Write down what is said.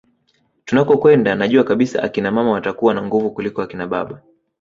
Tunakokwenda najua kabisa akina mama watakuwa na nguvu kuliko akina baba